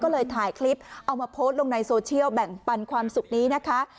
ก็เลยถ่ายคลิปเอามาโพสต์ลงในโซเชียลแบ่งปันความสุขนี้นะคะ